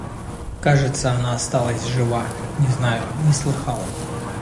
Кажется, она осталась жива, — не знаю, не слыхал.